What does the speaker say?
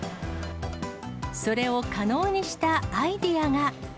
それを可能にしたアイデアが。